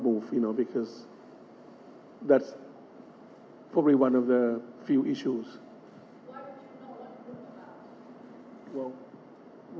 รู้จักมันงั้นผมจะข่าวบอกสิ่งที่สุดยอดในหลายจริง